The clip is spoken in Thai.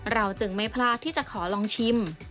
เราจึงไม่พลาดที่จะขอลองชิม